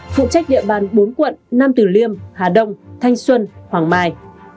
phụ trách địa bàn bốn quận bắc từ liêm tây hồ thanh xuân hoàng mai